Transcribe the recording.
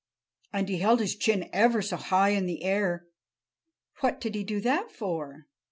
And he held his chin ever so high in the air——" "What did he do that for?"